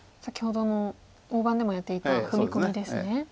先ほどの大盤でもやっていた踏み込みですね。